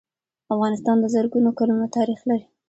افغانستان د زرګونو کلونو تاریخ لري.